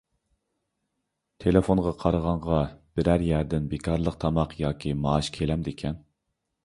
تېلېفونغا قارىغانغا بىرەر يەردىن بىكارلىق تاماق ياكى مائاش كېلەمدىكەن؟